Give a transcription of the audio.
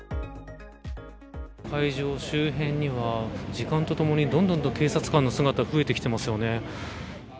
会場周辺には、時間とともにどんどんと警察官の姿増えてきてますよね。